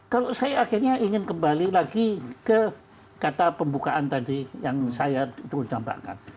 kalau saya akhirnya ingin kembali lagi ke kata pembukaan tadi yang saya dulu dampakkan